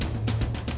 jangan jangan jangan